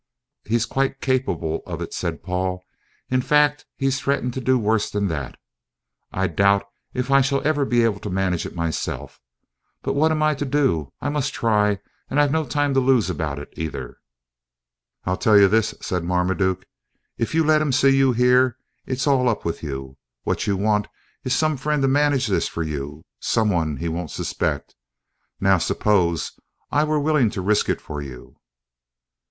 "He's quite capable of it," said Paul; "in fact, he threatened to do worse than that. I doubt if I shall ever be able to manage it myself; but what am I to do? I must try, and I've no time to lose about it either." "I tell you this," said Marmaduke, "if you let him see you here, it's all up with you. What you want is some friend to manage this for you, some one he won't suspect. Now, suppose I were willing to risk it for you?"